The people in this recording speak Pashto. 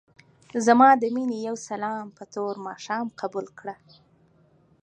ځما دې مينې يو سلام په تور ماښام قبول کړه.